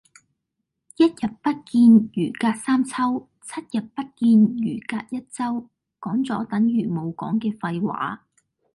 一日不見如隔三秋，七日不見如隔一周，講咗等如冇講嘅廢話